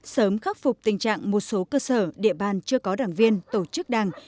sớm khắc phục tình trạng một số cơ sở địa bàn chưa có đảng viên tổ chức đảng